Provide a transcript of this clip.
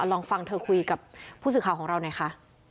ลองฟังเธอคุยกับผู้สื่อข่าวของเราหน่อยค่ะ